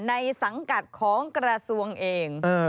สังกัดของกระทรวงเอง